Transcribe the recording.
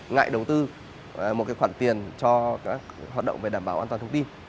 ngại đầu tư một khoản tiền cho các hoạt động về đảm bảo an toàn thông tin